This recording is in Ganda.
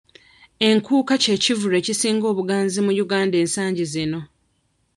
Enkuuka kye kivvulu ekisinga obuganzi mu Uganda ensangi zino.